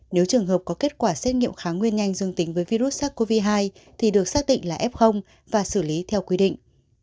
nếu trường hợp có kết quả xét nghiệm kháng nguyên nhanh dương tính với virus sars cov hai thì được xác định là f và xử lý theo quy định